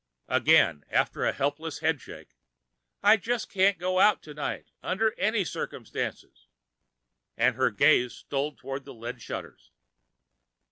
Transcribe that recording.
Again the helpless headshake. "I just can't go out tonight, under any circumstances." And her gaze stole toward the lead shutters.